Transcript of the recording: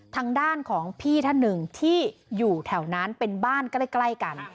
ทางด้านของพี่ท่านหนึ่งที่อยู่แถวนั้นเป็นบ้านใกล้กัน